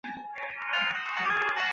中华人民共和国全国运动会。